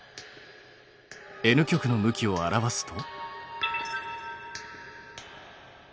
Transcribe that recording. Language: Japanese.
Ｎ極の向きを表すと。